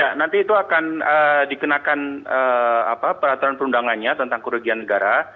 ya nanti itu akan dikenakan peraturan perundangannya tentang kerugian negara